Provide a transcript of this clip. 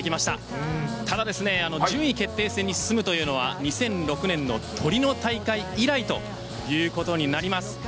ただ順位決定戦に進むというのは２００６年のトリノ大会以来ということになります。